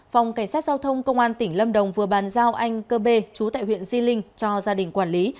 phòng cảnh sát giao thông công an tỉnh lâm đồng vừa bàn giao anh cơ bê chú tại huyện di linh cho gia đình quản lý